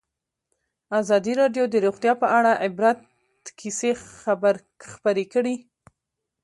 ازادي راډیو د روغتیا په اړه د عبرت کیسې خبر کړي.